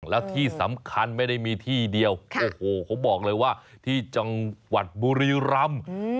แล้วที่สำคัญไม่ได้มีที่เดียวโอ้โหเขาบอกเลยว่าที่จังหวัดบุรีรำ